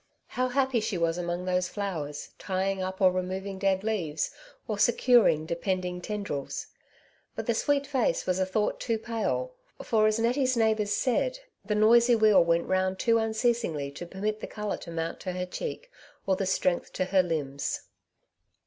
How happy she was among those flowers, tying up or removing dead leaves or secur ing depending tendrils. But the sweet face was a thought too pale, for, as Nettie's neighbours said, the noisy wheel went round too unceasingly to permit the 134 " Tzvo, Sides to every Qnestionr colour to mount to lier cheek, or the strength to her limbs.